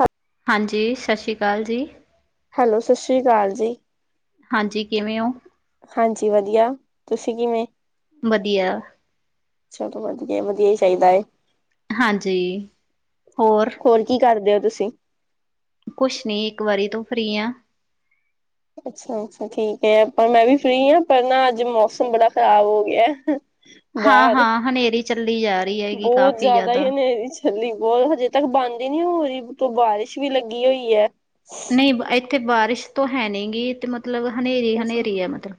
ਹਾਂ ਹਾਂਜੀ ਸਤਿ ਸ਼੍ਰੀ ਅਕਾਲ ਜੀ। ਹੈਲੋ ਸਤਿ ਸ਼੍ਰੀ ਅਕਾਲ ਜੀ। ਹਾਂਜੀ ਕਿਵੇਂ ਹੋ? ਹਾਂਜੀ ਵਧੀਆ ਤੁਸੀਂ ਕਿਵੇਂ? ਵਧੀਆ। ਚਲੋ ਵਧੀਆ, ਵਧੀਆ ਹੀ ਚਾਹੀਦਾ ਹੈ। ਹਾਂਜੀ ਹੋਰ। ਹੋਰ ਕੀ ਕਰਦੇ ਹੋ ਤੁਸੀਂ? ਕੁਛ ਨੀ ਇੱਕ ਵਾਰੀ ਤੋਂ ਫਰੀ ਆ। ਅੱਛਾ ਅੱਛਾ ਠੀਕ ਹੈ ਪਰ ਮੈਂ ਵੀ ਫਰੀ ਹਾਂ ਪਰ ਨਾ ਅੱਜ ਮੌਸਮ ਬੜਾ ਖ਼ਰਾਬ ਹੋ ਗਿਐ। ਹਾਂ, ਬਾਹਰ। ਹਾਂ ਹਨੇਰੀ ਚੱਲੀ ਜਾ ਰਹੀ ਹੈਗੀ ਬਹੁਤ ਕਾਫ਼ੀ ਜ਼ਿਆਦਾ ਹੀ ਹਨੇਰੀ 'ਚ ਚੱਲੀ ਬਹੁਤ ਹਜੇ ਤੱਕ ਬੰਦ ਹੀ ਨਹੀਂ ਹੋ ਰਹੀ, ਮਤਲਬ ਬਾਰਿਸ਼ ਵੀ ਲੱਗੀ ਹੋਈ ਹੈ। ਨਹੀਂ ਇੱਥੇ ਬਾਰਿਸ਼ ਤੋਂ ਹੈ ਨਹੀਂ ਗੀ ਤੇ ਮਤਲਬ ਹਨੇਰੀ। ਅੱਛਾ ਹਨੇਰੀ ਹੈ ਮਤਲਬ।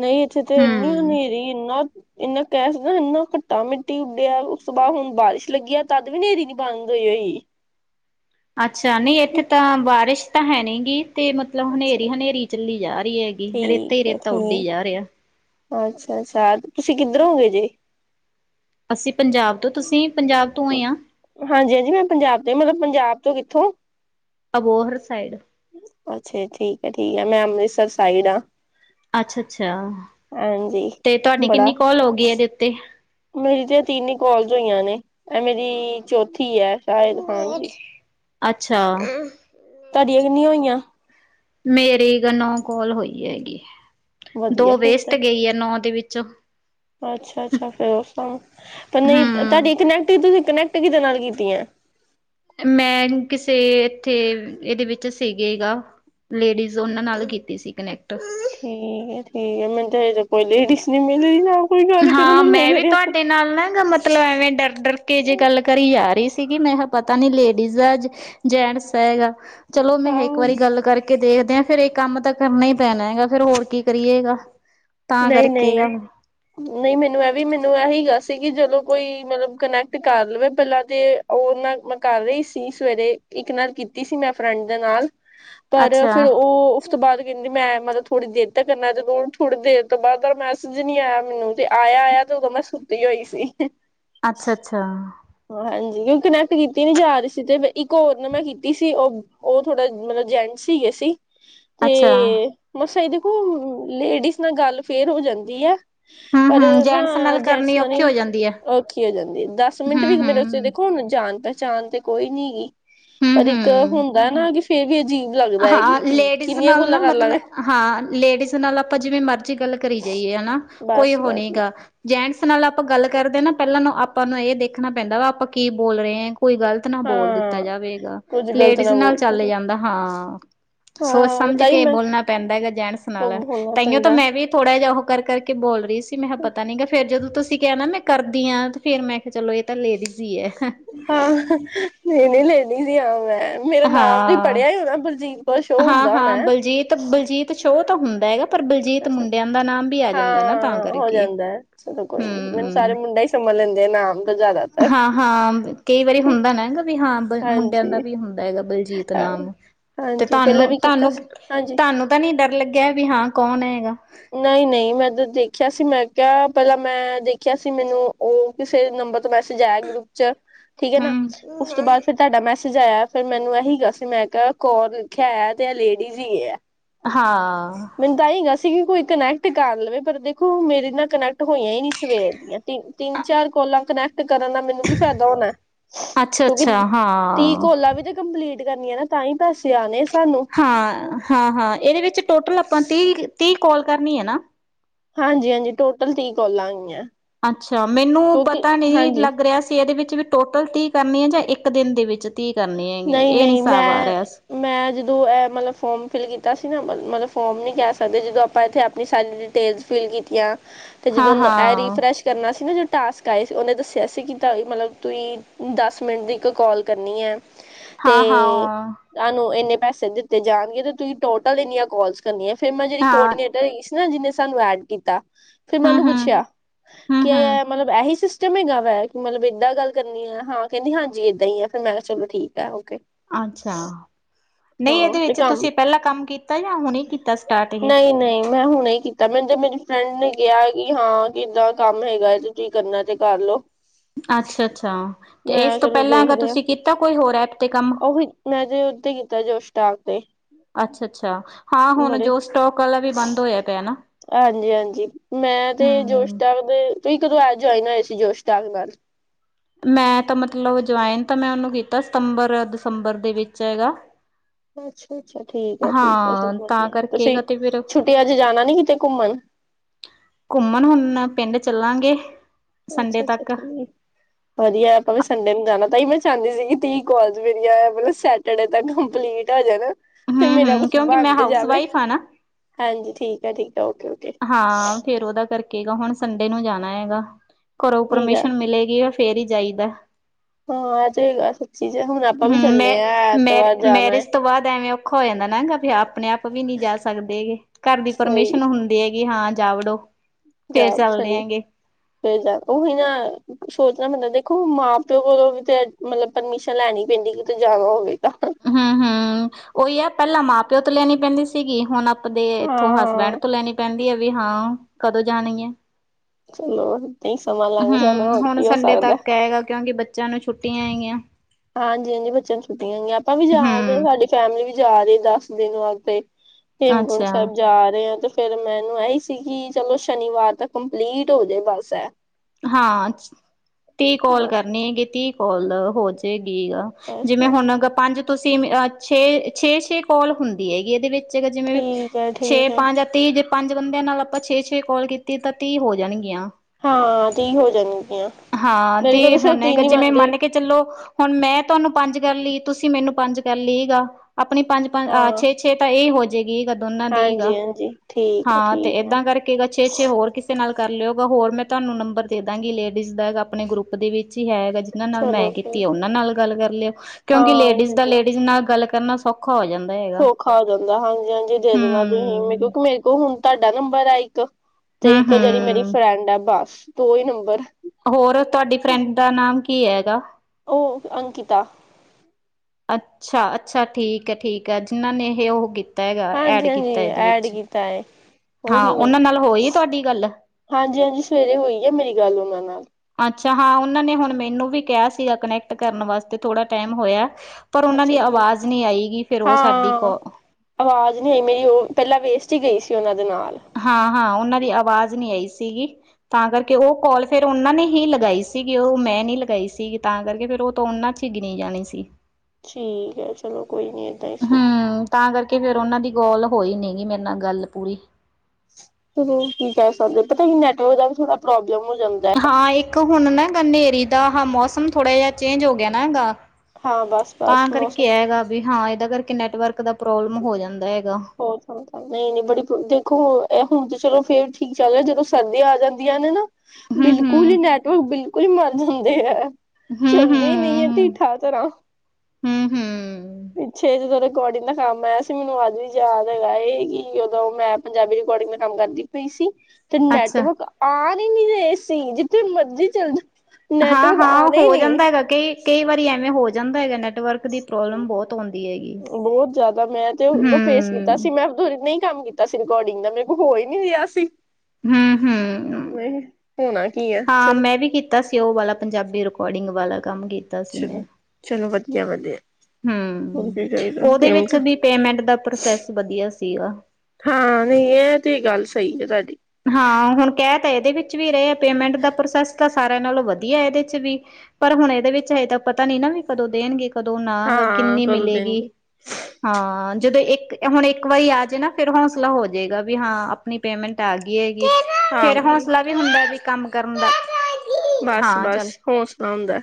ਨਹੀਂ ਇੱਥੇ ਤੇ ਇੰਨੀ ਹੂੰ। ਹਨੇਰੀ ਇੰਨਾ ਇੰਨਾ ਕਹਿ ਸਕਦਾ ਇੰਨਾ ਘੱਟਾ ਮਿੱਟੀ ਉੱਡਿਆ ਉਸ ਤੋਂ ਬਾਅਦ ਹੁਣ ਬਾਰਿਸ਼ ਲੱਗੀ ਆ ਤਦ ਵੀ ਹਨੇਰੀ ਨੀ ਬੰਦ ਹੋ ਹੀ। ਅੱਛਾ ਨਹੀਂ ਇੱਥੇ ਤਾਂ ਬਾਰਿਸ਼ ਤਾਂ ਹੈ ਨਹੀਂ ਗ ਤੇ ਮਤਲਬ ਹਨੇਰੀ ਅੱਛਾ ਹਨੇਰੀ ਚੱਲੀ ਜਾ ਰਹੀ ਹੈਗੀ। ਰੇਤਾ ਹੀਈ ਰੇਤਾ ਉੱਡ ਹੀ ਜਾ ਰਿਹਾ। ਅੱਛਾ ਅੱਛਾ ਤੁਸੀਂ ਕਿੱਧਰੋਂ ਗੇਏ ਜੇ ਅਸੀਂ ਪੰਜਾਬ ਤੋਂ ਤੁਸੀਂ ਪੰਜਾਬ ਤੋਂ ਆਏ ਹਾਂ। ਹਾਂਜੀ ਹਾਂਜੀ ਮੈਂ ਪੰਜਾਬ ਤੇ ਮਤਲਬ ਪੰਜਾਬ ਤੋਂ ਕਿੱਥੋਂ? ਅਬੋਹਰ ਸਾਈਡ। ਅੱਛਾ ਠੀਕ ਆ ਠੀਕ ਆ ਮੈਂ ਅੰਮ੍ਰਿਤਸਰ ਸਾਈਡ ਹਾਂ। ਅੱਛਾ ਅੱਛਾ ਹਾਂਜੀ ਤੇ ਤੁਹਾਡੀ ਬੜਾ ਕਿੰਨੀ ਕਾਲ ਹੋ ਗਈ ਇਹਦੇ ਉੱਤੇ। ਮੇਰੀ ਤੇ ਤਿੰਨ ਕੋਲਜ ਹੋਈਆਂ ਨੇ ਇਹ ਮੇਰੀ ਚੌਥੀ ਹੈ। ਸ਼ਾਇਦ ਹਾਂਜੀ। ਅੱਛਾ। ਤਾਡੀਆਂ ਕਿੰਨੀਆਂ ਹੋਈਆਂ? ਮੇਰੀ ਗਨੌ ਕੋਲ ਹੋਈ ਹੈਗੀ, ਵਧੀਆ ਦੋ ਫਿਰ ਵੇਸਟ ਗਈ ਹੈ ਨੌ ਦੇ ਵਿੱਚ ਚ ਅੱਛਾ ਅੱਛਾ ਫੇਰ ਉਸ ਹਿਸਾਬ ਨਾ, ਪਰ ਨਹੀਂ ਹਮ ਤੁਹਾਡੀ ਕਨੈਕਟ ਤੁਸੀਂ ਕਨੈਕਟ ਕਿਦੇ ਨਾਲ ਕੀਤੀਆਂ। ਮੈਂ ਕਿਸੇ ਇੱਥੇ, ਇਹਦੇ ਵਿੱਚ ਸੀਗੇ ਗਾ। ਲੇਡੀਜ਼ ਉਹਨਾਂ ਨਾਲ ਕੀਤੀ ਸੀ ਕਨੈਕਟ। ਠੀਕ ਹੈ ਠੀਕ ਹੈ ਮੈਨੂੰ ਤਾਂ ਕੋਈ ਲੇਡੀਸ ਨਹੀਂ ਮਿਲ ਰਹੀ ਨਾ ਕੋਈ ਗੱਲ ਕਰਨ ਹਾਂ ਨੂੰ ਮੈਂ ਮਿਲ ਵੀ ਰਿਹਾ। ਤੁਹਾਡੇ ਨਾਲ ਨਾ ਗਾ। ਮਤਲਬ ਐਵੇਂ ਡਰ-ਡਰ ਕੇ ਜੇ ਗੱਲ ਕਰੀ ਜਾ ਰਹੀ ਸੀਗੀ, ਮੈਂ ਕਿਹਾ ਪਤਾ ਨੀ ਲੇਡੀਜ਼ ਐ ਜਾਂ ਜੈਂਟਸ ਹੈਗਾ, ਚਲੋ ਮੈਂ ਇੱਕ ਆਹੋ ਵਾਰੀ ਗੱਲ ਕਰਕੇ ਕੇ ਦੇਖਦੇ ਹਾਂ ਫੇਰ ਇਹ ਕੰਮ ਤਾਂ ਕਰਨਾ ਹੀ ਪੈਣਾ ਹੈਗਾ, ਫੇਰ ਹੋਰ ਕੀ ਕਰੀਏਗਾ। ਤਾਂ ਨਹੀਂ ਕਰਕੇ ਗ ਨਹੀਂ। ਨਹੀਂ ਮੈਨੂੰ ਇਹ ਵੀ ਮੈਨੂੰ ਏ ਹੈਗਾ ਸੀ ਕਿ ਜਦੋਂ ਕੋਈ ਮਤਲਬ ਕਨੈਕਟ ਕਰ ਲਵੇ, ਪਹਿਲਾਂ ਤੇ ਉਹ ਨਾਲ ਮੈਂ ਕਰ ਰਹੀ ਸੀ ਸਵੇਰੇ, ਇੱਕ ਨਾਲ ਕੀਤੀ ਸੀ ਮੈਂ ਫਰੈਂਡ ਦੇ ਨਾਲ। ਪਰ ਅੱਛਾ ਫੇਰ ਉਹ ਉਸ ਤੋਂ ਬਾਅਦ ਕਹਿੰਦੀ ਮੈਂ ਮਤਲਬ ਥੋੜੀ ਦੇਰ ਤੱਕ ਕਰਨਾ, ਓਦੋਂ ਦੇਰ ਤੱਕ ਥੋੜ੍ਹੀ ਦੇਰ ਤੋਂ ਬਾਅਦ ਮੈਸੇਜ ਨੀ ਆਇਆ ਮੈਨੂੰ ਤੇ ਆਇਆ ਆਇਆ ਤੇ ਉਦੋਂ ਮੈਂ ਸੁੱਤੀ ਹੋਈ ਸੀ। ਅੱਛਾ ਅੱਛਾ। ਹਾਂਜੀ ਕਿਉਂਕਿ ਕਨੈਕਟ ਕੀਤੀ ਨੀ ਜਾ ਰਹੀ ਸੀ ਤੇ ਇੱਕ ਹੋਰ ਨੂੰ ਮੈਂ ਕੀਤੀ ਸੀ ਉਹ ਉਹ ਥੋੜਾ ਮਤਲਬ ਜੈਂਟਸ ਸੀਗੇ ਸੀ। ਤੇ ਅੱਛਾ ਮਸਾਂ ਇਹ ਦੇਖੋ ਲੇਡੀਜ਼ ਨਾਲ ਗੱਲ ਫੇਰ ਹੋ ਜਾਂਦੀ ਆ। ਪਰ ਹੂੰ-ਹੂੰ ਇਹ ਜੈਂਟਸ ਨਾ ਨਾਲ ਜੈਂਟਸ ਕਰਨੀ ਨਾਲ ਨੀ। ਔਖੀ ਹੋ ਜਾਂਦੀ ਐ ਔਖੀ ਹੋ ਜਾਂਦੀ। ਦਸ ਮਿੰਟ ਵੀ ਹੂੰ-ਹੂੰ, ਮੇਰੇ ਵਾਸਤੇ ਦੇਖੋ ਹੁਣ ਜਾਣ-ਪਹਿਚਾਣ ਤੇ ਕੋਈ ਨੀ ਹੀ, ਪਰ ਇੱਕ ਹੂੰ-ਹੂੰ। ਹੁੰਦਾ ਨਾ ਕਿਸ ਫੇਰ ਵੀ ਅਜੀਬ ਲੱਗਦਾ ਹੈ ਹਾਂ ਕਿ ਲੇਡੀਜ਼ ਕਿੰਨੀਆਂ ਨਾਲ ਨਾ ਕੋਲਾਂ ਕਰ ਲਾਂਗੇ। ਮਤਲਬ ਹਾਂ, ਲੇਡੀਜ਼ ਨਾਲ ਆਪਾਂ ਜਿਵੇਂ ਮਰਜ਼ੀ ਗੱਲ ਕਰੀ ਜਾਈਏ ਹਨਾ, ਕੋਈ ਬਸ ਉਹ ਬਸ ਨਹੀਂ ਗਾ। ਜੈਂਟਸ ਨਾਲ ਆਪਾਂ ਗੱਲ ਕਰਦੇ ਹਾਂ, ਨਾ ਪਹਿਲਾਂ ਆਪਾਂ ਨੂੰ ਇਹ ਦੇਖਣਾ ਪੈਂਦਾ ਵਾ ਆਪਾਂ ਕੀ ਬੋਲ ਰਹੇ ਹਾਂ ਕੋਈ ਗੱਲ ਪਤ ਨਾ ਬੋਲ ਦਿੱਤਾ ਹਾਂ ਜਾਵੇਗਾ, ਕੁੱਝ ਗ਼ਲਤ ਲੇਡੀਜ਼ ਨਾ ਨਾਲ ਚੱਲ ਬੋਲ ਜਾਂਦਾ ਹਾਂ। ਸੋਚ ਹਾਂ ਸਮਝ ਤਾਂਹੀ ਕੇ ਮੈਂ ਬੋਲਣਾ ਪੈਂਦਾ ਹੈਗਾ ਜਹਿਣਸ ਨਾਲ ਬੋਲਣਾ ਤਾਓ ਤਾਂ ਪੈਂਦਾ ਮੈਂ ਵੀ ਥੋੜਾ ਜਿਹਾ ਉਹ ਕਰਕੇ ਬੋਲ ਰਹੀ ਸੀ ਮੈਂ ਕਿਹਾ ਪਤਾ ਨੀਗਾ਼ੇਰ ਜਦੋਂ ਤੁਸੀਂ ਕਹਿਣਾ ਮੈਂ ਕਰਦੀ ਹਾਂ ਤੇ ਫੇਰ ਮੈਂ ਚਲੋ ਇਹ ਤਾਂ ਲੇਦੀਜ਼ ਹੀ ਹੈ ਹਾਂ ਇਹ ਨਹੀਂ ਲੈਣੀ ਸੀ ਆ ਮੈਂ ਮੇਰਾ ਨਾਮ ਤੇ ਹੀ ਹਾਂ ਪੜਿਆ ਹੀ ਹੋਣਾ ਬਲਜੀਤ ਕੁਰਸ਼ ਉਹ ਹੁੰਦਾ ਹਾਂ-ਹਾਂ ਹੋਣਾ ਬਲਜੀਤ ਬਲਜੀਤ ਸ਼ੋ ਤਾਂ ਹੁੰਦਾ ਹੈਗਾ ਪਰ ਬਲਜੀਤ ਅੱਛਾ ਮੁੰਡਿਆਂ ਦਾ ਨਾਮ ਵੀ ਆ ਜਾਂਦਾ ਨਾ ਤਾਂ ਹਾਂ ਹੋ ਕਰਕੇ ਜਾਂਦਾ ਹੈ ਚਲੋ ਕੋਈ ਨੀ ਮੈਨੂੰ ਸਾਰੇ ਮੁੰਡਾ ਹੀ ਸੰਭਰ ਲੈਂਦੇ ਆ ਨਾਮ ਤੋਂ ਜ਼ਿਆਦਾਤਰ ਹਾਂ ਹਾਂ ਕਈ ਵਾਰੀ ਹੁੰਦਾ ਨਾ ਹੈਗਾ ਵੀ ਹਾਂ ਮੁੰਡਿਆਂ ਹਾਂਜੀ ਦਾ ਵੀ ਹੁੰਦਾ ਹੈਗਾ ਬਲਜੀਤ ਨਾਮ ਤੇ ਹਾਂਜੀ ਪਹਿਲਾਂ ਤੁਹਾਨੂੰ ਵੀ ਕੀਤਾ ਤੁਹਾਨੂੰ ਸੀ ਹਾਂਜੀ ਤੁਹਾਨੂੰ ਪਤਾ ਨੀ ਡਰ ਲੱਗਿਆ ਵੀ ਹਾਂ ਕੌਣ ਹੈਗਾ ਨਹੀਂ ਨਹੀਂ ਮੈਂ ਤਾਂ ਦੇਖਿਆ ਸੀ, ਮੈਂ ਕਿਹਾ ਪਹਿਲਾਂ ਮੈਂ ਦੇਖਿਆ ਸੀ ਮੈਨੂੰ ਉਹ ਕਿਸੇ ਨੰਬਰ ਤੋਂ ਮੈਸੇਜ ਆਇਆ ਗਰੁੱਪ 'ਚ ਠੀਕ ਹੈ ਨਾ, ਹੂੰ ਉਸ ਤੋਂ ਬਾਅਦ ਫਿਰ ਤੁਹਾਡਾ ਮੈਸੇ ਸਜ ਆਇਆ, ਫਿਰ ਮੈਨੂੰ ਇਹੀ ਹੇਗਾ ਸੀ ਮੈਂ ਕਿਹਾ ਕੌਰ ਲਿਖਿਆ ਤੇ ਇਹ ਲੇਡੀਜ਼ ਹੀ ਹੈ। ਹਾਂ। ਮੈਨੂੰ ਤਾਂ ਐ ਹੀ ਸੀਗਾ ਕਿ ਕੋਈ ਕਨੈਕਟ ਕਰ ਲਵੇ, ਪਰ ਦੇਖੋ ਮੇਰੇ ਨਾਲ ਕਨੈਕਟ ਹੋਈਆਂ ਹੀ ਨਹੀਂ ਸਵੇਰ ਦੀਆਂ। ਤਿੰਨ-ਚਾਰ ਕੋਲਾਂ ਕਨੈਕਟ ਕਰਨ ਨਾਲ ਮੈਨੂੰ ਕੀ ਫਾਇਦਾ ਹੋਣਾ। ਕਿਉਂਕਿ ਅੱਛਾ-ਅੱਛਾ ਤੀਹ ਹਾਂ ਕੋੋਲਾਂ ਵੀ ਤੇ ਕੰਪਲੀਟ ਕਰਨੀ ਆ ਨਾ, ਤਾਂ ਹੀ ਪੈਸੇ ਆਉਣੇ ਸਾਨੂੰ। ਹਾਂ ਹਾਂ ਹਾਂ। ਇਹਦੇ ਵਿੱਚ ਟੋਟਲ ਆਪਾਂ ਤੀਹ-ਤੀਹ ਕੋਲਾਂ ਕਰਨੀ ਹੈ ਨਾ। ਹਾਂਜੀ-ਹਾਂਜੀ ਟੋਟਲ ਤੀਹ ਕੋਲਾਂ ਹੈਗੀਆਂ। ਅੱਛਾ, ਮੈਨੂੰ ਪਤਾ ਨਹੀਂ ਲੱਗ ਰਿਹਾ ਸੀ, ਇਹਦੇ ਵਿੱਚ ਵੀ ਟੋਟਲ ਤੀਹ ਕਰਨੀ ਹੈ ਜਾਂ ਇੱਕ ਦਿਨ ਦੇ ਵਿੱਚ ਤੀਹ ਕਰਨੀ ਹੈਗੀ ਨਹੀਂ ਇਹ ਨੀ ਨਹੀਂ ਸਮਝ ਆ ਮੈਂ ਰਿਹਾ ਸੀ। ਮੈਂ ਜਦੋਂ ਇਹ ਮਤਲਬ ਫੋਰਮ ਫਿਲ ਕੀਤਾ ਸੀ ਨਾ ਮ ਮਤਲਬ ਫੋਰਮ ਨਹੀਂ ਕਹਿ ਸਕਦੇ ਜਦੋਂ ਆਪਾਂ ਇੱਥੇ ਆਪਣੀ ਸੈਲੀ ਤੇਜ਼ ਫੀਲ ਕੀਤੀਆਂ ਅਤੇ ਜਦੋਂ ਹਾਂ ਹਾਂ ਇਹ ਰੀਫਰੈਸ਼ ਕਰਨਾ ਸੀ ਨਾ ਜੋ ਟਾਸਕ ਆਏ ਸੀ ਉਹਨੇ ਦੱਸਿਆ ਸੀ ਕਿ ਤਾਂ ਮਤਲਬ ਤੁਸੀਂ ਦਸ ਮਿੰਟ ਦੀ ਇੱਕ ਕੋਲ ਕਰਨੀ ਹੈ ਤੇ ਹਾਂ ਹਾਂ ਤੁਾਨੂੰ ਇੰਨੇ ਪੈਸੇ ਦਿੱਤੇ ਜਾਣਗੇ ਤੇ ਤੁਸੀਂ ਟੋਟਲ ਇੰਨੀਆਂ ਕੋਾਲ ੀ ਫੇਿਰ ਮੈਂ ਜਿਹੜੀ ਹਾਂ ਕੋਰਡੀਨੇਟਰ ਹੈਗੀ ਸੀ ਨਾ ਜਿਹਨੇ ਸਾਨੂੰ ਐਡ ਕੀਤਾ ਫਿਰ ਮੈਂ ਉਹਨੂੰ ਹਮ ਹਮ ਪੁੱਛਿਆ ਕਿ ਹਮ ਹਮ ਇਹ ਮਤਲਬ ਇਹੀ ਚਮੇਗਾ ਵੈ ਮਤਲਬ ਏਦਾਂ ਗੱਲ ਕਰਨੀ ਹੈ ਹਾਂ ਕਹਿੰਦੀ ਹਾਂਜੀ ਏਦਾਂ ਹੀ ਆ ਫਿਰ ਮੈਂ ਕਿਹਾ ਚਲੋ ਠੀਕ ਹੈ ਓ ਅੱਛਾ ਨਹੀਂ ਇਹਦੇ ਤੇ ਵਿੱਚ ਕੰਮ ਤੁਸੀਂ ਪਹਿਲਾਾਂ ਕੰਮ ਕੀਤਾ ਜਾਂ ਹੁਣ ਹੀ ਕੀਤਾ ਸਟਾਰਟ ਇਹ ਨਹੀਂ ਮੈਂ ਹੁਣੇ ਕੀਤਾ ਮੈ ਮੇਰੀ ਫਰੈਂਡ ਨੇ ਕਿਹਾ ਕਿ ਹਾਂ ਕਿੱਦਾਂ ਕੰਮ ਹੈਗਾ ਕਰਨਾ ਤੇ ਕਰ ਲੋ ਅੱਛਾ ਅੱਛਾ ਤੇ ਇਸ ਮੈਂ ਤੋਂ ਚਲੋ ਪਹਿਲਾਂ ਦੇਖਦੇ ਆ ਤੁਸੀਂ ਕੀਤਾ ਕੋਈ ਹੋਰ ਐਪ ਤੇ ਕੰਮ ਉਹੀ ਮੈਂ ਉੱਥਤੇ ਕੀਤਾ ਜਾ ਅੱਛਾ ਅੱਛਾ ਹਾਂ ਹੁਣ ਬੜੇ ਜੋ ਸਟੋਕ ਵਾਲਾ ਵੀ ਬੰਦ ਹੋਇਆ ਪਿਆ ਨਾ ਹਾਂਜੀ ਹਾਂਜੀ ਮੈਂ ਤੇ ਹਮ ਜੋਸ਼ਟਾਗ ਦੇ ਤੁਸੀਂ ਕਦੋਂ ਆ ਜੁਆਇਨ ਹੋਏ ਸੀ ਜੋਸ਼ਟਾਕ ਨਾਲ ਮੈਂ ਤਾਂ ਮਤਲਬ ਜੁਆਇਨ ਤਾਂ ਮੈਂ ਉਹਨੂੰ ਕੀਤਾ ਸਤੰਬਰ ਦਸੰਬਰ ਦੇ ਵਿੱਚ ਹੈਗਾ ਅੱਛਾ ਅੱਛਾ ਠੀਕ ਹੈ ਠੀਕ ਹਾਂ ਵਧ ਤਾਂ ਕਰਕੇ ਤੁਸੀਂ ਗਾ ਤੇ ਫਿਰ ਛੁੱਟਟੀ ਅ ਚ ਜਾਣਾ ਨੀ ਕਿਤੇ ਘੁੰਮਣ ਘੁੰਮਣ ਹੁਣ ਪਿੰਡ ਚੱਲਾਂਗੇ ਸੰਡੇ ਅੱਛਾ ਅੱਛਾ ਤੱਕ ਠੀਕ ਵਧੀਆ ਆਪਾਂ ਮ ਸੰਡੇ ਨੂੰ ਜਾਣਾ ਤਾਂ ਹੀ ਮੈਂ ਚਾਹੁੰਦੀ ਸੀ ਕਿ ਤੀ ਕੋਾਲਜ ਮੇਰੀਆਂ ਮਤਲਬ ਸੈਟਰਡੇ ਤ ਕੰਪਲੀਟ ਜਾਣਾ ਤੇ ਹੂੰ ਮੇਰਾ ਹੂੰ ਕੁਸ ਕਿਉਂਕਿ ਮੈਂ ਬੰਦ ਹਾਊਸ ਜਾਵੇ ਵਾਈਫ ਆ ਨਾ। ਹਾਂਜੀ ਠੀਕ ਆ ਠੀਕ ਆ ਓਕੇ ਓਕੇ ਹਾਂ ਫੇਰ ਉਹਦਾ ਕਰਕੇ ਹੁਣ ਸੰਡੇ ਨੂੰ ਜਾਣਾ ਹੈਗਾ, ਘਰੋਂ ਠੀਕ ਹੈ ਪਰਮਿਸ਼ਨ ਮਿਲੇਗੀ ਫੇਰ ਹੀ ਜਾਈਦਾ। ਹਾਂ ਇਹ ਤੇ ਹੈਗਾ ਆ ਸੱਚੀ ਚ, ਹੁਣ ਆਪਾਂ ਹੂੰ ਵੀ ਮੈਂ ਚੱਲੇ ਆ ਮੈ ਐਤਵਾਰ ਜਾਣਾ ਐ। ਮੈਰਿਜ ਤੋਂ ਬਾਅਦ ਐਵੇਂ ਔਖਾ ਹੋ ਜਾਂਦਾ ਏ ਨਾ ਕਦੇ ਆਪਣੇ ਆਪ ਵੀ ਨੀ ਜਾ ਸਕਦੇ ਹੈਗੇ, ਘਰ ਦੀ ਸਹੀ ਪਰਮਿਸ਼ਨ ਹੁੰ ਹੈਗੀ ਹਾਂ ਜਾ ਵੜੋ ਜਾ ਫੇਰ ਚੱਲਦੇ ਸਹੀ ਹੈਗੇ। ਫੇਰ ਜਾ, ਉਹੀ ਨਾ ਸੋਚਣਾ ਪੈਂਦਾ ਦੇਖੋ ਮਾਂ-ਪਿਓ ਕੋਲੋਂ ਵੀ ਤੇ ਮਤਲਬ ਪਰਮਿਸ਼ਨ ਲੈਣੀ ਪੈਂਦੀ ਕਿਤੇ ਜਾਣਾ ਹੋਵੇ ਤਾਂ। ਹੂੰ-ਹੂੰ, ਓਹੀ ਐ ਪੈਲਾਂ ਮਾਂ-ਪਿਓ ਤੋਂ ਲੈਣੀ ਪੈਂਦੀ ਸੀਗੀ, ਹੁਣ ਅਪ ਤੇ ਏਥੋਂ ਹਸਬੈਂਡ ਹਾਂ ਤੋਂ ਲੈਣੀ ਪੈਂਦੀ ਏ ਵੀ ਹਾਂ ਕਦੋਂ ਜਾਣੀ ਏ। ਚਲੋ ਏਦਾਂ ਹੀ ਸਮਾਂ ਲੰਘ ਜਾਣਾ ਹੂੰ, ਹੋਰ ਹੁਣ ਕੀ ਹੋ ਸੰਡੇ ਸਕਦਾ ਤੱਕ ਕੈਏਗਾ ਕਿਉਂਕਿ ਬੱਚਿਆਂ ਨੂੰ ਛੁੱਟੀਆਂ ਹੈਗੀਆਂ। ਹਾਂਜੀ-ਹਾਂਜੀ, ਬੱਚਿਆਂ ਨੂੰ ਛੁੱਟੀਆਂ ਹੈਗੀਆਂ, ਆਪਾਂ ਵੀ ਜਾ ਰੇ ਆ ਹੂੰ, ਸਾਡੀ ਫੈਮਿਲੀ ਵੀ ਜਾ ਰੀ ਏ, ਦਸ ਦਿਨ ਵਾਸਤੇ। ਤੇ ਹਿਮਕੁੰਟ ਅੱਛਾ ਸਾਹਿਬ ਜਾ ਰਹੇ ਆ ਤੇ ਫਿਰ ਮੈਨੂੰ ਐਹੀ ਸੀ ਕਿ ਚਲੋ ਸ਼ਨੀਵਾਰ ਤਾਂ ਕੰਪਲੀਟ ਹੋਜੇ ਬਸ ਐ। ਹਾਂ, ਤੀਹ ਕੋਲ ਬਸ ਕਰਨੀ ਹੈਗੀ ਏ, ਤੀਹ ਕੋਲ ਹੋ ਜੇਗੀ। ਬਸ ਜਿਵੇਂ ਬਸ ਹੁਣ ਅਗਰ ਪੰਜ ਤੁਸੀਂ‌, ਅ ਛੇ, ਛੇ-ਛੇ ਕੋਲ ਹੁੰਦੀ ਹੈਗੀ ਐਦੇ ਵੇਚ। ਚਗੈ ਜਿਵੇਂ ਵੀ ਠੀਕ ਹੈ ਛੇ, ਠੀਕ ਹੈ ਪੰਜ ਤੀਹ ਜੇ ਪੰਜ ਬੰਦਿਆਂ ਨਾਲ ਆਪਾਂ ਛੇ-ਛੇ ਕਾਲ ਕੀਤੀ ਤਾਂ ਤੀਹ ਹੋ ਜਾਣਗੀਆਂ। ਹਾਂ, ਤੀਹ ਹੋ ਜਾਣਗੀਆਂ। ਹਾਂ ਮੇਰੇ ਕੋਲ ਤੀਹ ਤਾਂ ਹੁਣ ਸਿਰਫ ਤਿੰਨ ਹੀ ਜਿਵੇਂ ਬਣ ਜਾਏ ਮੰਨ ਕੇ ਚਲੋ ਹੁਣ ਮੈਂ ਤੁਹਾਨੂੰ ਪੰਜ ਕਰ ਲਈ, ਤੁਸੀਂ ਮੈਨੂੰ ਪੰਜ ਕਰ ਲਈ ਗ ਆਪਣੀ ਪੰਜ-ਪੰਜ ਆ ਹਾਂ ਛੇਛ ਤਾਂ ਇਹ ਹੋ ਜਾਏਗੀ ਗ ਦੋਨਾਂ ਦੀ ਹਾਂਜੀ ਗ ਹਾਂਜੀ ਠੀਕ ਹੈ ਹਾਂ ਤੇ ਠੀਕ ਹੈ ਏਦਾਂ ਕਰਕੇ ਗਾ ਛੇ-ਛੇ ਹੋਰ ਕਿਸੇ ਨਾਲ ਕਰਿਓਗਾ ਹੋਰ ਮੈਂ ਤੁਹਾਨੂੰ ਨੰਬਰ ਦੇ ਦਾਂਗੀ ਲੇਡੀਜ਼ ਦਾ ਆਪਣੇ ਗਰੁੱਪ ਦੇ ਵਿੱਚ ਹੀ ਹੈਗਾ। ਜਿੰਨਾ ਨਾਲ ਚਲੋ ਮੈਂ ਕੀਤੀ ਠੀਕ ਆ, ਉਹਨਾਂ ਨਾਲ ਗੱਲ ਕਰ ਲਿਓ ਕਿਉਂਕਿ ਹਾਂ ਲੇਡੀਜ਼ ਦੇ ਦਾ ਦੇਣਾ ਲੇਡੀਜ਼ ਨਾਲ ਗੱਲ ਕਰਨਾ ਸੌਖਾ ਹੋ ਜਾਂਦਾ ਐ। ਸੌਖਾ ਹੋ ਜਾਂਦਾ। ਹਾਂਜੀ-ਹਾਂਜੀ ਜੇ ਦੇ ਨਾਲ ਤੁਸੀ ਮ ਮੇਰੇ ਕੋਲ ਹੁਣ ਤੁਹਾਡਾ ਨੰਬਰ ਹੈ ਇੱਕ ਤੇ ਹੂੰ ਇੱਕ ਜਿਹੜੀ ਮੇਰੀ ਹੂੰ ਫਰੈਂਡ ਹੈ ਬਸ ਦੋ ਹੀ ਨੰਬਰ ਹੋਰ ਤੁਹਾਡੀ ਫਰੈਂਡ ਦਾ ਨਾਮ ਕੀ ਹੈ ਹੈਗਾ? ਔ ਅੰਕਿਤਾ। ਅੱਛਾ-ਅੱਛਾ, ਠੀਕ ਐ ਠੀਕ ਐ ਜਿਨਾਂ ਨੇ ਏ ਓ ਤੈਗਾ, ਐਡ ਹਾਂਜੀ ਹਾਂਜੀ ਕੀਤਾ ਐਦੇ ਐਡ ਵੇਚ। ਕੀਤਾ ਹੈ ਹਾਂ, ਔਨਾਂ ਨਾਲ ਹੋਈ ਏ ਤੁਆਡੀ ਗੱਲ? ਹਾਂਜੀ-ਹਾਂਜੀ, ਸਵੇਰੇ ਹੋਈ ਐ ਮੇਰੀ ਗੱਲ ਉਨਾਂ ਨਾਲ। ਅੱਛਾ ਹਾਂ, ਔਨਾਂ ਨੇ ਹੁਣ ਮੈਨੂੰ ਵੀ ਕਿਹਾ ਸੀਗਾ ਕਨੈਕਟ ਕਰਨ ਵਾਸਤੇ ਥੋੜਾ ਟਾਈਮ ਹੋਯਾ। ਪਰ ਔਨਾਂ ਦੀ ਅੱਛਾ ਠੀਕ ਆਵਾਜ਼ ਨੀ ਆਈਗੀ, ਫੇਰ ਓਹ ਸਾਡੀ ਹਾਂ ਕੋ ਆਵਾਜ਼ ਨ੍ਹੀਂ ਆਈ, ਮੇਰੀ ਓਹ ਪੈਲਾਂ ਵੇਸਟ ਹੀ ਗਈ ਸੀ ਓਹਨਾਂ ਦੇ ਨਾਲ। ਹਾਂ-ਹਾਂ, ਔਨਾਂ ਦੀ ਆਵਾਜ਼ ਨੀ ਆਈ ਸੀਗੀ। ਤਾਂ ਕਰਕੇ ਔ ਕੋਲ ਫੇਰ ਉਨਾਂ ਨੇ ਹੀ ਲਗਾਈ ਸੀਗੀ ਓਹ ਮੈਂ ਨੀ ਲਗਾਈ ਸੀਗੀ ਤਾਂ ਕਰਕੇ ਫੇਰ ਓਹ ਤਾਂ ਐਨਾਂ। ਕਿ ਗਿਣੀ ਜਾਣੀ ਸੀ। ਠੀਕ ਐ ਚਲੋ ਕੋਈ ਨੀ ਏਦਾਂ ਹੀ ਸੀ। ਹੂੰ ਤਾਂ ਕਰਕੇ ਫੇਰ ਓਨਾਂ ਦੀ ਗੋਲ ਹੋਈ ਨੀ ਗੀ ਮੇਰੇ ਨਾਲ ਗੱਲ ਪੂਰੀ,। ਕਿਧਰੋ ਹੁਣ ਕੈ ਸਕਦੇ, ਪਤਾ ਕੀ ਨੈਟਵਰਕ ਦਾ ਵੀ ਥੋੜਾ ਪ੍ਰੋਬਲਮ ਹੋ ਜਾਂਦਾ ਐ। ਹਾਂ, ਇੱਕ ਹੁਣ ਨਾ ਗਾ ਨੇਰੀ ਦਾ ਹਾਂ ਮੌਸਮ ਥੋੜਾ ਜਾ ਚੇਂਜ ਹੋ ਗਿਆ ਨਾ ਹੈਗਾ। ਹਾਂ ਬਸ ਤਾਂ ਬਸ ਮੌਸਮ ਕਰਕੇ ਐ ਹੈਗਾ ਬੀ ਹਾਂ ਐਦਾ ਕਰਕੇ ਨੈਟਵਰਕ ਦਾ ਪ੍ਰੋਬਲਮ ਹੋ ਜਾਂਦਾ ਹੈਗਾ। ਹੋ ਸਕਦਾ ਐ। ਨਈ-ਨਈ ਬੜੀ ਪ੍ਰ ਦੇਖੋ ਐਹ ਹੁਣ ਤੇ ਚਲੋ ਫੇਰ ਠੀਕ ਚੱਲ ਰਿਹਾ, ਜਦੋਂ ਸਰਦੀਆਂ ਆ ਜਾਂਦੀਆਂ ਨੇ ਨਾ ਹੂੰ ਬਿਲਕੁਲ ਹੀ ਹੂੰ ਨੈਟਵਰਕ ਬਿਲਕੁਲ ਹੀ ਮਰ ਜਾਂਦੇ ਆ, ਹੂੰ ਚਲਦੇ ਹੀ ਨੀ ਐ। ਹੂੰ ਢੀਠਾਂ ਤਰ੍ਹਾਂ, ਹੂੰ ਹੂੰ ਪਿੱਛੇ ਜਦੋਂ ਰਿਕੋਡਿੰਗ ਦਾ ਕੰਮ ਆਯਾ ਸੀ, ਮੈਨੂੰ ਅੱਜ ਵੀ ਯਾਦ ਹੈਗਾ ਏ ਕਿ ਔਦੋਂ ਮੈਂ ਪੰਜਾਬੀ ਰਿਕੋਡਿੰਗ ਦਾ ਕੰਮ ਕਰਦੀ ਪਈ ਸੀ ਤੇ ਅੱਛਾ ਨੈਟਵਰਕ ਆ ਨੀ ਨੀ ਰਹੇ ਸੀ, ਜਿਧਰ ਮਰਜ਼ੀ ਚਲੇ ਜਾਓ। ਹਾਂ-ਹਾਂ, ਓਹ ਹੋ ਜਾਂਦਾ ਹੈਗਾ। ਕਈ-ਕਈ ਵਾਰੀ ਐਵੇਂ ਹੋ ਜਾਂਦਾ ਹੈਗਾ ਨੈਟਵਰਕ। ਦੀ ਪ੍ਰੋਬਲਮ ਬਹੁਤ ਆਉਂਦੀ ਹੈਗੀ। ਬੋਤ ਜਿਆਦਾ ਮੈਂ ਤੇ ਉਦੋਂ ਫੇਸ ਕੀਤਾ ਹੂੰ ਸੀ ਮੈਂ ਉਧੇ ਹੀ ਨਹੀਂ। ਕੰਮ ਕੀਤਾ ਸੀ ਰਿਕੋਰਡਿੰਗ ਦਾ ਮੇਰੇ ਕੋ ਹੋ ਈ ਨੀ ਰਿਆ ਸੀ। ਹੂੰ ਹੂੰ, ਨਹੀਂ ਹੋਣਾ ਕੀ ਹੈ ਹਾਂ ਚਲੋ ਮੈਂ ਵੀ ਕੀਤ ਕੀਤਾ ਸੀ, ਓਹ ਵਾਲਾ ਪੰਜਾਬੀ ਰਿਕੋਂਰਡਿੰਗ ਵਾਲਾ ਕੰਮ ਕੀਤ ਚਲੋ ਚਲੋ, ਵਧੀਅ ਯੈ ਵਧੀਐ। ਹੂੰ ਉਹਦੇ ਵਿੱਚ ਵੀ ਪੇਮੈਂਟ ਦਾ ਪ੍ਰੋਸੈਸ ਵਧੀਆ ਸੀਗਾ। ਹਾਂ ਨਹੀਂ ਇਹ ਤੇ ਗੱਲ ਸਹੀ ਹੈ ਤੁਹਾਡੀ। ਹਾਂ ਹੁਣ ਕਹਿ ਤਾਂ ਇਹਦੇ ਵਿੱਚ ਵੀ ਰਹੇ ਆ ਪੇਮੈਂਟ ਦਾ ਪ੍ਰੋਸੈਸ ਤਾਂ ਸਾਰਿਆਂ ਨਾਲੋਂ ਵਧੀਆ ਇਹਦੇ ਚ ਵੀ। ਪਰ ਹੁਣ ਇਹਦੇ ਵਿੱਚ ਹਜੇ ਤਾਂ ਪਤਾ ਨਹੀਂ ਨਾ ਵੀ ਕਦੋਂ ਦੇਣਗੇ ਕਦੋਂ ਨਾ ਗ ਕਿੰਨੀ ਮਿਲੇਗੀ। ਹ। ਹਾਂ ਜਦੋਂ ਇੱਕ ਹੁਣ ਇੱਕ ਵਾਰੀ ਆ ਜਾੇ ਨਾ ਫਿਰ ਹੌਸਲਾ ਹੋ ਜਾਏਗਾ ਵੀ ਹਾਂ ਆਪਣੀ ਪੇਮੈਂਟ। ਗਈ ਹੈਗੀ ਫੇਿਰ ਆਗੇ ਹੌਸਲਾ ਵੀ ਹੁੰਦਾ ਵੀ ਕੰਮ ਕਰਨ ਦਾ। ਬਸ ਹਾਂ ਬਸ ਚੱਲ ਹੋਰ ਸੁਣਾ ਹੁੰਦਾ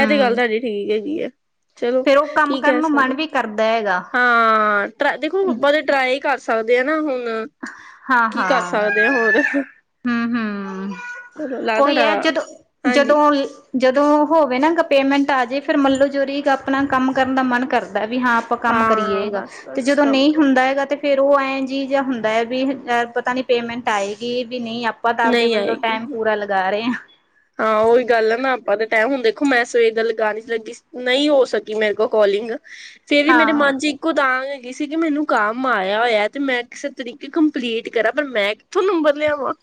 ਇਹ ਤੇ ਗੱਲ ਤੁਹਾਡੀ ਠੀਕ ਹੈਗੀ ਆ ਚਲੋ ਫੇਰ ਉਹ ਕੰਮ ਕੀ ਕਰਨ ਕਹਿ ਨੂੰ ਮਨ ਸਕਦੇ। ਵੀ ਕਰਦਾ ਹੈਗਾ ਹਾਂ ਟ ਦੇਖੋ ਤੇ ਟ੍ਰਾਈ ਕਰ ਸਕਦੇ ਆ ਨਾ ਹੁਣ। ਕੀ ਕਰ ਸਕਦੇ ਹਾ, ਹੋਰ? ਹੂੰ ਹੂੰ, ਚਲੋ ਲੱਗਦਾ ਓਈ ਹੈ ਤੁਹਾਡਾ ਜਦ ਜਦੋਂ ਹਾਂਜੀ ਜਦੋਂ ਔ ਹੋਵੇ ਨਾ ਗ ਪੇਮੈਂਟ ਆ ਜੇ ਫੇਰ ਮੰਲੋ ਜੋਰੀ ਚ ਅਪਣਾ ਕੰਮ ਕਰਨ ਦਾ ਮਨ ਕਰ ਹੰਦਾ ਵੀ ਹਾਂ ਅਪਾਂ ਕੰਮ ਹਾਂ ਕਰੀਏਗਾ ਬਸ ਤੇ ਬਸ ਜਦੋਂ ਕੰਮ ਨਹੀਂ ਕਰ ਹੁੰਦਾ ਹੈਗਾ ਤੇ ਫੇਰ ਉਹ ਐਂ ਜੀ ਜਹਾ ਹੁੰਦਾ ਐ। ਵੀ ਪਤਾ ਨੀ ਪੇਮੈਂਟ ਆਏਗੀ ਵੀ ਨਹੀਂ। ਆਪਾਂ ਤਾਂ ਆਪਦੇ ਨਹੀਂ ਵੱਲੋਂ ਆਏਗੀ ਟਾਈਮ ਪੂਰਾ ਲਗਾ ਰਹੇ ਹਾਂ। ਹਾਂ, ਓਹੀ ਗੱਲ ਹੈ ਨਾ ਆਪਾਂ ਤੇ ਟੈਮ ਹੁਣ ਦੇਖੋ ਮੈਂ ਸਵੇਰ ਦਾ ਲਗਾਣ ਹੀ ਲੱਗੀ ਸ ਨਹੀਂ ਹੋ ਸਕੀ ਮੇਰੇ ਕੋਲ ਕੋਲਿੰਗ, ਫੇਰ ਵੀ ਮੇਰੇ ਹਾਂ ਮਨ ਚ ਕੋਦਾਨ ਹੈਗੀ ਸੀ ਕਿ ਮੈਨੂੰ ਕੰਮ ਆਇਆ ਹੋਇਆ ਤੇ ਮੈਂ ਕਿਸੇ ਤਰੀਕੇ ਕੰਪਲੀਟ ਕਰਾਂ। ਪਰ ਮੈਂ ਥੋਂ ਨੰਬਰ ਲਿਆਵਾਂ?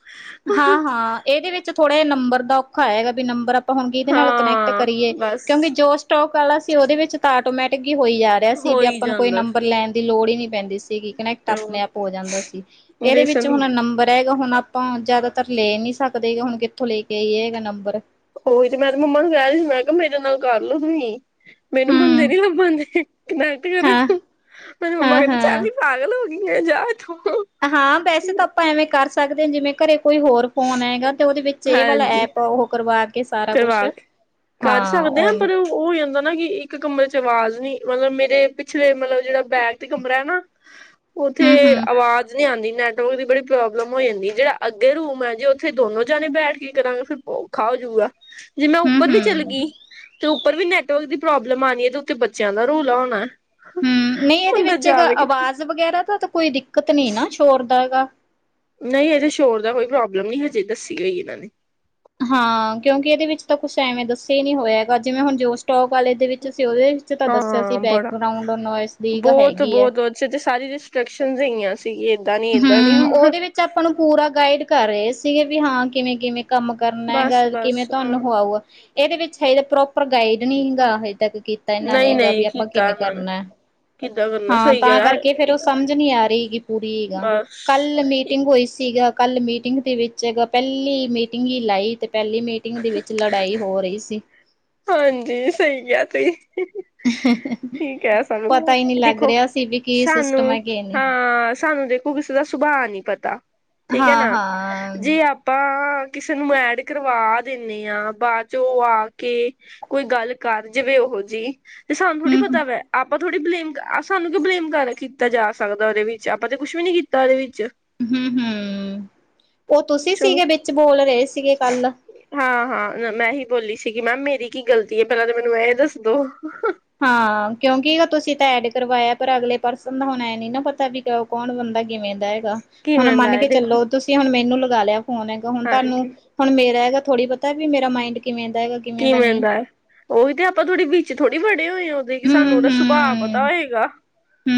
ਹਾਂ ਹਾਂ, ਐਦੇ ਵਿੱਚ ਥੋੜ੍ਹੇ ਜੇ ਨੰਬਰ ਦਾ ਔਖਾ ਹੈਗਾ ਬੀ ਨੰਬਰ ਅ ਤੇ ਹੋਣ ਕਿਦੇ ਨਾਲ ਕਨੈਕਟ ਹਾਂ ਕਰੀਏ? ਬਸ ਕਿਉਂਕਿ ਜੋ ਸਟੋਕ ਆਲਾ ਸੀ ਔਦੇ ਵਿੱਚ ਤਾਂ ਆਟੋਮੈਟਿਕ ਹੀ ਹੋਈ ਜਾਰ ਵੈ ਸੀ ਹੋ ਬੀ ਹੀ ਅਪਾਂ ਨੂੰ ਕੋਈ ਜਾਂਦਾ ਨੰਬਰ ਸੀ ਲੈਣ ਦੀ ਲੋੜ ਹੀ ਨਹੀਂ ਪੈਂਦੀ ਸੀਗੀ ਕਨੈਕਟ ਹੋਰ ਆਪਣੇ ਆਪ ਹੋ ਜਾਂਦਾ ਸੀ ਇਹਦੇ ਵਿੱਚ ਬੇਸਨ ਹੁਣ ਨੰਬਰ ਹੈਗਾ ਹੁਣ। ਆਪਾਂ ਜ਼ਿਆਦਾਤਰ ਲੈ ਨੀ ਸਕਦੇ ਹੁਣ ਕਿੱਥੋਂ ਲੈ ਕੇ ਆਈਏਗਾ ਨੰਬਰ। ਉ ਓਹੀ ਤੇ ਮੈਂ ਤੇ ਮੰਮਾ ਨੂੰ ਕਹਿ ਰਹੀ ਸੀ ਮੈਂ ਕਿਹਾ ਮੇਰੇ ਨਾਲ ਕਰਲੋ ਤੁਸੀਂ। ਮੈਨੂੰ ਮੁੰਦੇ ਹੂੰ ਨੀ ਲੱਬਣ ਦਏ ਮੈਂ ਕਿ ਕਰਾ ਹਾਂ। ਤੂੰ। ਮੈਨੂੰ ਮੰਮਾ ਕਹਿੰਦੇ ਚੱਲ ਹਾਂ-ਹਾਂ। ਹੀ ਪਾਗਲ ਹੋ ਗਈ ਹੈ ਇਥੋਂ ਤੂੰ। ਹਾਂ ਵੈਸੇ ਤਾਂ ਆਪਾਂ ਐਵੇਂ ਕਰ ਸਕਦੇ ਹਾਂ ਜਿਵੇਂ ਘਰੇ ਕੋਈ ਹੋਰ। ਫੋਨ ਹੈਏਗਾ ਤੇ ਉਹਦੇ ਵਿੱਚ ਇਹ ਵਾਲਾ ਹਾਂਜੀ ਐਪ ਉਹ ਕਰਵਾ ਕੇ। ਕੇ ਸਾਰਾ ਕੁਛ ਹਾਂ ਹੁਣ। ਓਹੀ ਹੁੰਦਾ ਨਾ ਕਿ ਇੱਕ ਕਮਰੇ ਚ ਆਵਾਜ਼ ਨੀ ਮਤਲਬ ਮੇਰੇ ਪਿਛਲੇ ਮਤਲਬ ਜਿਹੜਾ ਬੈਗ। ਉਥੇ ਕਮਰਾ ਹੈ ਨਾ ਉੱਥੇ ਹੂੰ-ਹੂੰ, ਆਵਾਜ਼। ਆਵਾਜ਼ ਨੀ ਆਉਂਦੀ ਨੈਟਵਰਕ ਦੀ ਬੜੀ ਪ੍ਰੋਬਲਮ ਹੋ ਜਾਂਦੀ ਜਿਹੜਾ ਅੱਗੇ ਰੂਮ ਹੈ ਜੇ ਉੱਥੇ ਦੋਨੋ ਜਣੇ ਬੈਠ ਕੇ ਕਰਾਂਗੇ ਫਿਰਰ ਪਾਓ। ਔਖਾ ਹੋਜੂਗਾ ਜੇ ਮੈਂ ਉੱਪਰ ਵੀ ਚੱਲ ਹੂੰ-ਹੂੰ। ਗਈ ਤੇ ਉੱਪਰ ਵੀ ਨੈਟਵਰਕ ਦੀ ਪ੍ਰੋਬਲਮ ਆਣੀ ਹੈ ਤੇ ਉਥੇ ਬੱਚਿਆਂ ਦਾ ਰੋਲ ਹੋਣਾ। ਹਮ ਨਹੀਂ ਇਹਦੇ ਬੰਦਾ ਵਿੱਚ ਹੈਗਾ ਜਾਵੇ ਕਿਤੇ ਆਵਾਜ਼ ਵਗੈਰਾ ਦਾ ਤਾਂ ਕੋਈ ਦਿੱਕਤ ਨਹੀ ਨਾ ਸ਼ੋਰ ਦਾ ਹੈਗਾ। ਨਹੀਂ ਇਹਦੇ ਸ਼ੋਰ ਦਾ ਕੋਈ ਪ੍ਰੋਬਲਮ ਨਹੀਂ ਹਜੇ ਦੱਸੀ ਗਈ ਇਹਨਾਂ ਨੇ। ਹਾਂ ਕਿਉਂਕਿ ਇਹਦੇ ਵਿੱਚ ਤਾਂ ਕੁਛ ਐਵੇਂ ਦੱਸਿਆ ਹੀ ਨੀ ਹੋਇਆਗਾ ਜਿਵੇਂ ਹੁਣ ਜੋਸ਼। ਸਟੋਕ ਵਾਲੇ ਦੇ ਵਿੱਚ ਸੀ ਉਹਦੇ ਵਿੱਚ ਤਾਂ ਦੱਸਿਆ ਸੀ ਹਾਂ ਬੜਾ ਬੈਕਗਰਾਂਡ ਨੋਇਸ ਦੀ ਹੈਗੀ ਹੈ। ਅੱਛ ਤੇ ਸਾਰੀ ਰਿਸਟਰ੍ਰਕਸ਼ਨ ਹੈਗੀਆਂ ਸੀਗੀ ਏਦਾਂ ਨੀ ਇਦਾਂ ਨੀ ਹੁਣ। ਇਸਚੇ ਆਪਾਂ ਨੂੰ ਪੂਰਾ ਗਾਈਡ ਕਰ ਰਹੇ ਸੀਗੇ ਵੀ ਹਾਂ ਕਿਵੇਂ ਕਿਵੇਂ। ਕੰਮ ਕਰਨਾ ਹੈ ਬਸ ਗਾ ਕਿਵੇਂ ਬਸ ਹਾਂ ਤੁਹਾਨੂੰ ਖਾਓ ਊਗਾ। ਇਹਦੇ ਵਿੱਚ ਹਜੇ ਤ ਪ੍ਰੋਪਰ ਗਾਈਡ ਨਹੀਂ ਹੈਗਾ ਹਜੇ ਤੱਕ ਕੀਤਾ ਇਹਨਾਂ ਨੇ ਨਹੀਂ ਹੈਗਾ ਵੀ ਨਹੀਂ ਆਪਾਂ ਕੀਤਾ ਕਿਵੇਂ ਉਹਨਾਂ ਨੇ ਕਰਨਾ। ਕਿੱਦਾਂ ਕਰਨਾ ਹਾਂ ਸਹੀ ਕਿਹਾ ਤਾਂ ਯਾਰ ਕਰਕੇ ਫੇਰ ਉਹ ਇੱਕ ਸਮਝ ਨਹੀਂ ਆ ਰਹੀ ਗ ਪੂਰੀ ਗ ਬਸ ਕੱਲ ਮੀਟਿੰਗ। ਹੋਈ ਸੀਗਾ ਕੱਲ ਮੀਟਿੰਗ ਦੇ ਵਿੱਚ ਹੈਗਾ ਪਹਿਲੀ ਮੀਟਿੰਗ ਹੀ ਲਾਈ ਤੇ। ਪਹਿਲੀ ਮੀਟਿੰਗ ਦੇ ਵਿੱਚ ਲੜਾਈ ਹੋ ਰਹੀ ਸੀ। ਹਾਂਜੀ, ਸਹੀ ਕਿਹਾ ਤੁਸੀ। ਕੀ ਕਹਿ ਸੱਕਦੇ ਪਤਾ ਹੀ ਨਹੀਂ ਹੈ ਲੱਗ ਦੇਖੋ ਰਿਹਾ ਸੀ ਵੀ ਕੀ ਸਾਨੂੰ ਸਿਸਟਮ ਹੈ ਕਿ ਨਹੀਂ ਹਾਂ, ਸਾਨੂੰ ਦੇਖੋ। ਕਿਸੇ ਦਾ ਸੁਬਾਹ ਆ ਨਹੀਂ ਪਤਾ ਠੀਕ ਹੈ ਹਾਂ ਨਾ ਹਾਂ। ਜੀ ਆਪ ਤਾਂ ਕਿਸੇ ਨੂੰ ਮੈਂ ਐਡ ਕਰਵਾ ਦਿਨੀਂ ਹਾਂ, ਬਾਅਦ ਚ ਉਹ ਆ ਕੇ ਕੋਈ ਗੱਲ ਕਰ ਜਾਵੇ ਉਹੋ ਜਿ ਤੇ ਸਾਨੂੰ ਥੋੜੀ ਹੂੰ ਹੂੰ ਪਤਾ ਵਾ ਆਪਾਂ ਥੋੜੀ ਬਲੇਮ ਸਾਨੂੰ ਕਿ ਬਲੇਮ ਕਰ ਕੀਤਾ ਜਾ ਸਕਦਾ, ਉਹਦੇ ਵਿੱਚ ਆਪਾਂ ਤੇ ਕੁਛ ਵੀ ਨੀ ਕੀਤਾ ਉਹਦੇ ਵਿੱਚ। ਹੂੰ-ਹੂੰ, ਉਹ ਤੁਸੀਂ ਸੀਗੇ ਵਿੱਚ ਬੋਲ ਰਹੇ ਸੀਗੇ ਕੱਲ। ਹਾਂ-ਹਾਂ, ਮੈਂ ਹੀ ਬੋਲੀ ਸੀਗੀ ਮੈਮ ਮੇਰੀ ਕੀ ਗ਼ਲਤੀ ਹੈ ਪਹਿਲਾਂ ਤਾਂ ਮੈਨੂੰ ਇਹ ਦੱਸਦੋ। ਹਾਂ, ਕਿਉਂਕਿ ਤੁਸੀਂ ਤਾਂ ਐਡ ਕਰਵਾਇਆ ਪਰ ਅਗਲੇ ਪਰਸਨ ਦਾ ਹੁਣ ਇਹ ਨੀ ਨਾ ਪਤਾ ਵੀ ਉ ਕੌਣ ਬੰਦਾ ਕਿਵੇਂ ਦਾ ਹੈਗਾ ਹੁਣ ਕਿਵੇਂ ਦਾ ਮੰਨ ਹੈ ਕੇ ਦੇਖੋ ਚਲੋ। ਤੁਸੀਂ ਹੁਣ ਮੈਨੂੰ ਲਗਾ ਲਿਆ ਫੋਨ ਹੈਗਾ ਹੁਣ ਤੁਹਾਨੂੰ ਹਾਂਜੀ ਹੁਣ ਮੇਰਾ ਹੈਗਾ ਥੋੜ੍ਹੀ ਪਤਾ ਵੀ ਮੇਰਾ ਮਾਇੰਡ ਕਿਵੇਂ ਆਦਾ ਹੈਗਾ? ਕਿਵੇਂ ਦਾ ਹੈ, ਉਹੀ ਤੇ ਆਪਾਂ ਥੋੜੀ ਵਿੱਚ ਥੋੜੀ ਵੜੇ ਹੋਏ ਉਹਦੇ ਕਿ ਹੂੰ ਸਾਨੂੰ ਉਹਦਾ ਸੁਭਾਅ ਪਤਾ ਹੂੰ ਹੋਏਗਾ? ਹੂੰ